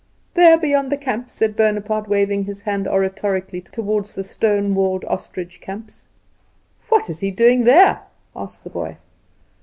"There, beyond the camps," said Bonaparte, waving his hand oratorically toward the stone walled ostrich camps. "What is he doing there?" asked the boy.